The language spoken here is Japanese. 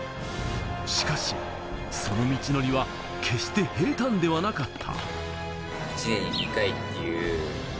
しかし、その道のりは決して平たんではなかった。